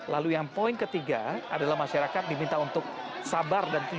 lalu yang poin ketiga adalah masyarakat diminta untuk sabar